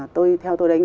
tôi theo tôi đây là